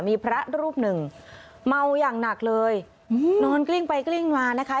มีพระรูปหนึ่งเมาอย่างหนักเลยนอนกลิ้งไปกลิ้งมานะคะ